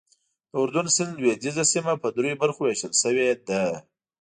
د اردن سیند لوېدیځه سیمه په دریو برخو ویشل شوې ده.